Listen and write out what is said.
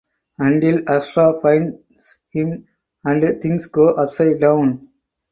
Until Ashraf finds him and things go upside down.